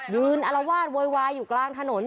อารวาสโวยวายอยู่กลางถนน